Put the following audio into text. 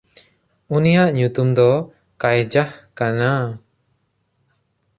ᱩᱱᱤᱭᱟᱜ ᱧᱩᱛᱩᱢ ᱫᱚ ᱠᱟᱭᱡᱟᱦ ᱠᱟᱱᱟ᱾